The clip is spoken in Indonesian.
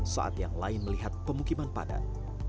saat yang lain melihat pemukiman padat